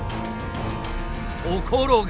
ところが。